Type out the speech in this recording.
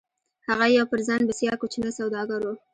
هغه يو پر ځان بسيا کوچنی سوداګر و.